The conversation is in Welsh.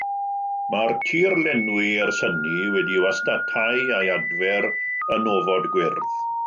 Mae'r tirlenwi ers hynny wedi ei wastatau a'i adfer yn ofod gwyrdd.